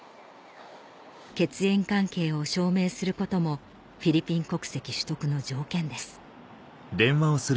血縁関係を証明することもフィリピン国籍取得の条件です